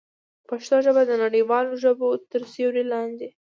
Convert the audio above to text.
پښتو ژبه د نړیوالو ژبو تر سیوري لاندې ده.